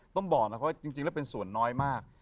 ต้องบอกนะครับว่าจริงแล้วเป็นส่วนน้อยมาก